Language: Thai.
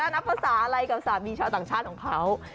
นับภาษาอะไรกับสามีชาวต่างชาติของเขา